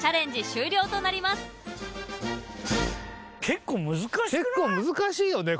結構難しいよねこれ。